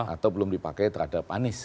atau belum dipakai terhadap anies